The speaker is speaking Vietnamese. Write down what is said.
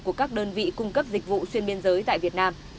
của các đơn vị cung cấp dịch vụ xuyên biên giới tại việt nam